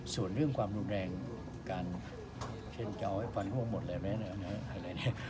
ส่วนเรื่องความรุนแรงการเช่นเจ้าให้ฟันหัวหมดอะไรแบบนี้